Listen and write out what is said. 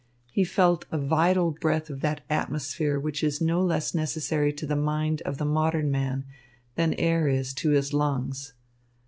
He felt a vital breath of that atmosphere which is no less necessary to the mind of the modern man than air is to his lungs.